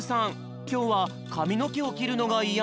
きょうはかみのけをきるのがイヤみたい。